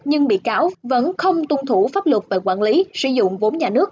nhưng bị cáo vẫn không tuân thủ pháp luật về quản lý sử dụng vốn nhà nước